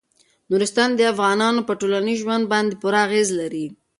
نورستان د افغانانو په ټولنیز ژوند باندې پوره اغېز لري.